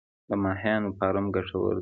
د ماهیانو فارم ګټور دی؟